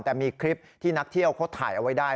แต่มีคลิปที่นักเที่ยวเขาถ่ายเอาไว้ได้